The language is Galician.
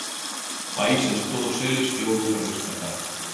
Países todos eles que houbo que rescatar.